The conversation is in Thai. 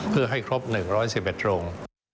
เพื่อให้ครบ๑๑๑โรง